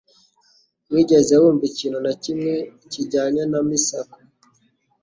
Wigeze wumva ikintu na kimwe kijyanye na Misako